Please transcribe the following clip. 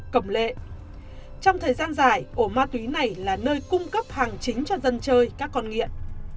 cầm lệ trong thời gian dài ổ ma túy này là nơi cung cấp hàng chính cho dân chơi các con nghiện